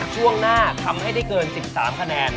ช่วงหน้าทำให้ได้เกิน๑๓คะแนน